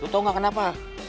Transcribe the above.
lo tau gak kenapa